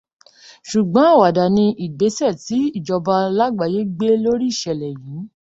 Ṣùgbọ́n àwàdà ni ìgbésẹ̀ tí ìjọba lágbáyé gbé lóri ìṣẹ̀lẹ̀ yìí.